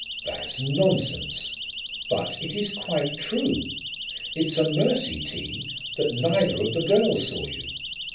"That's nonsense." "But it is quite true. It's a mercy, T., that neither of the girls saw you.